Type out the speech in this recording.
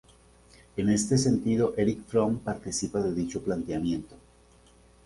En este sentido Erick Fromm participa de dicho planteamiento.